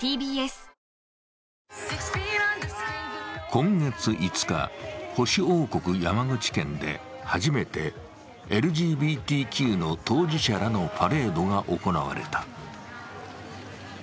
今月５日、保守王国・山口県で初めてＬＧＢＴＱの当事者らのパレードが行われた。